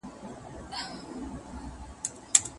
مه يې غواړه .